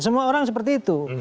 semua orang seperti itu